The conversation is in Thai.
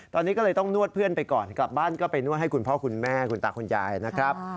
ตอนนี้ก็เลยต้องนวดเพื่อนไปก่อนกลับบ้านก็ไปนวดให้คุณพ่อคุณแม่คุณตาคุณยายนะครับ